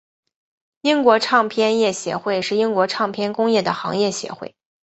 英国唱片业协会是英国唱片工业的行业协会。